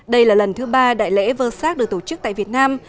đây là lần thứ ba đại lễ vơ sát được tổ chức tại việt nam